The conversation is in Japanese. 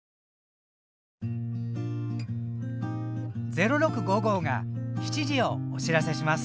「０６５５」が７時をお知らせします。